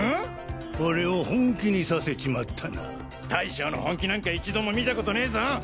俺を本気にさせちまったな大将の本気なんか一度も見たことねぇぞ！